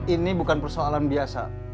ini bukan persoalan biasa